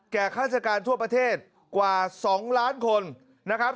ข้าราชการทั่วประเทศกว่า๒ล้านคนนะครับ